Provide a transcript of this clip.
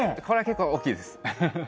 「これは結構大きいです」